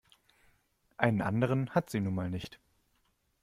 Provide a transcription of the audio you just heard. Einen anderen hat sie nun mal nicht.